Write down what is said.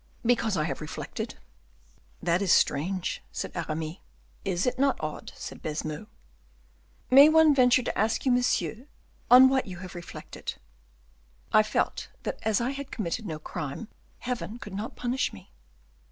"Because I have reflected." "That is strange," said Aramis. "Is it not odd?" said Baisemeaux. "May one venture to ask you, monsieur, on what you have reflected?" "I felt that as I had committed no crime, Heaven could not punish me."